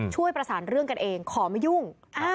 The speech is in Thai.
ช่วยประสานเรื่องกันเองขอไม่ยุ่ง